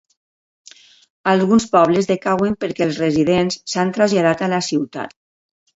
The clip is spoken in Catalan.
Alguns pobles decauen perquè els residents s'han traslladat a la ciutat.